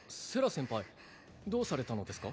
先輩どうされたのですか？